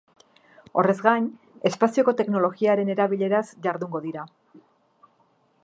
Horrez gain, espazioko teknologiaren erabileraz jardungo dira.